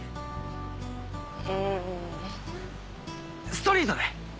ストリートで。